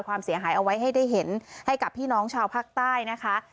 ความเสียหายเอาไว้ให้ได้เห็นให้กับพี่น้องชาวภาคใต้นะคะ